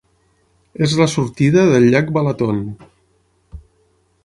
És la sortida del llac Balaton.